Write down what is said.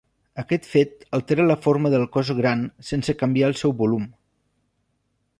Aquest fet altera la forma del cos gran sense canviar el seu volum.